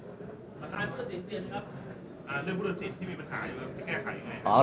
สำหรับธุรกิจเรื่องธุรกิจที่มีปัญหาอยู่แล้วจะแก้ไขยังไง